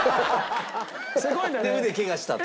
で腕ケガしたと。